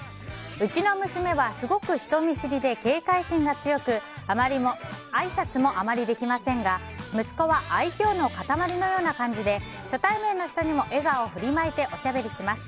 うちの娘は、すごく人見知りで警戒心が強くあいさつもあまりできませんが息子は愛嬌の塊のような感じで初対面の人にも笑顔を振りまいておしゃべりします。